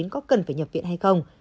có cần phải nhập viện hay không